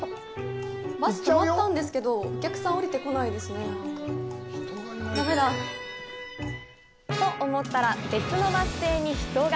バスとまったんですけどお客さん降りてこないですね。と思ったら、別のバス停に人が！